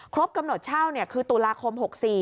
กำหนดเช่าคือตุลาคม๖๔